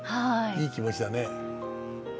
いい気持ちだね。